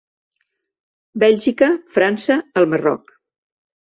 Bèlgica – França – el Marroc.